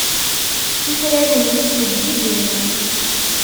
Itran-nni ttfeǧǧiǧen.